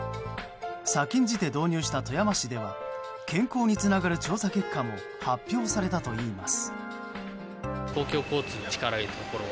先んじて導入した富山市では健康につながる調査結果も発表されたといいます。